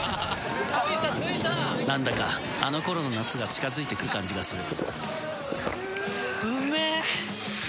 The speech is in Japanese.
何だかあのころの夏が近づいてくる感じがする。